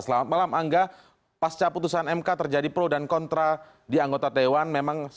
selamat malam angga pasca putusan mk terjadi pro dan kontra di anggota dewan